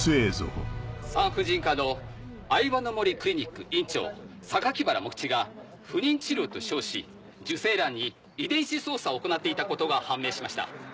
産婦人科のアイワの杜クリニック院長原茂吉が不妊治療と称し受精卵に遺伝子操作を行っていたことが判明しました。